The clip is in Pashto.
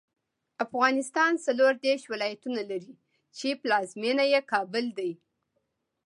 افغانستان څلوردېرش ولایتونه لري، چې پلازمېنه یې کابل دی.